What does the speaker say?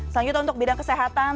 selanjutnya untuk bidang kesehatan